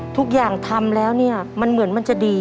ทุกอย่างทำแล้วเนี่ยมันเหมือนมันจะดี